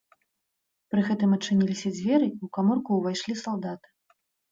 Пры гэтым адчыніліся дзверы, і ў каморку ўвайшлі салдаты.